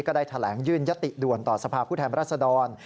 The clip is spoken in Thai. ก็ได้แถลงยื่นยติด่วนต่อสภาพผู้แทนรัศดร